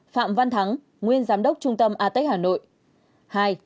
một phạm văn thắng nguyên giám đốc trung tâm ethics hà nội